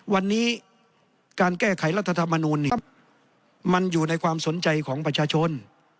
วันนี้การแก้ไขรัฐธรรมนูลมันอยู่ในความสนใจของประชาชน